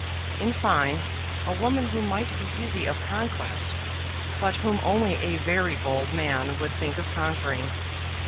in fine, a woman who might be easy of conquest, but whom only a very bold man would think of conquering.